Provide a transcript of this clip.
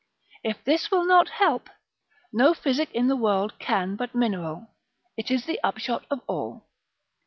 If this will not help, no physic in the world can but mineral, it is the upshot of all.